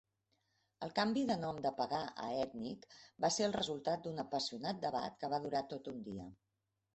El canvi de nom de "pagà" a "ètnic" va ser el resultat d'un apassionat debat que va durar tot un dia.